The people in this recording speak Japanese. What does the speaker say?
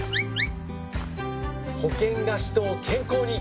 保険が人を健康に。